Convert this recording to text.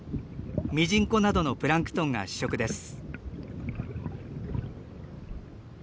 ミジンコなどのプランクトンが主食です。